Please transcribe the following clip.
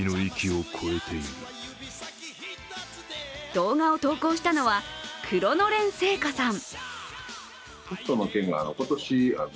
動画を投稿したのは、黒のれん製菓さん。